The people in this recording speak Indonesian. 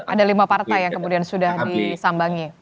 ada lima partai yang kemudian sudah disambangi